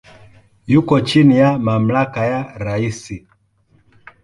Yuko chini ya mamlaka ya rais.